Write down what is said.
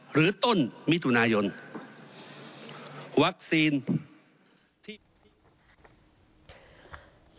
หรือต้นมิถุนายนวัคซีนที่